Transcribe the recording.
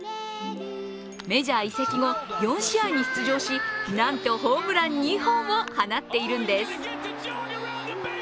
メジャー移籍後、４試合に出場しなんとホームラン２本を放っているんです。